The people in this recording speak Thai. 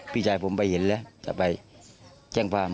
พี่ชายผมไปเห็นแล้วก็ไปแจ้งความ